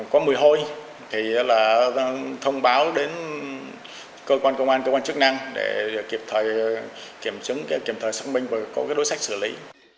có mùi hôi thì là thông báo đến cơ quan công an cơ quan chức năng để kiểm tra kiểm chứng kiểm tra xác minh và có cái đối sách xử lý